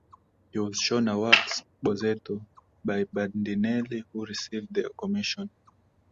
He was shown a wax "bozzetto" by Bandinelli, who received the commission.